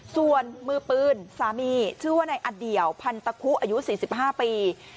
ส่วนมือปืนสามีชื่อว่าในอเดี่ยวพันตะคุอายุ๔๕ปี